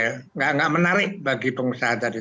tidak menarik bagi pengusaha tadi